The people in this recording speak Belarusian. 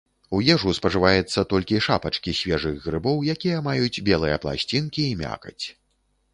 У ежу спажываецца толькі шапачкі свежых грыбоў, якія маюць белыя пласцінкі і мякаць.